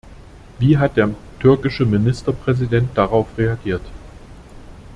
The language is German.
Wie hat der türkische Ministerpräsident darauf reagiert?